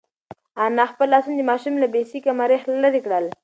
انا خپل لاسونه د ماشوم له بې سېکه مرۍ لرې کړل.